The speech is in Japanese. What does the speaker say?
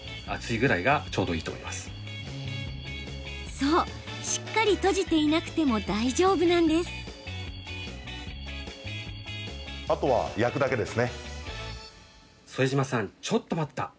そう、しっかり閉じていなくても大丈夫なんです。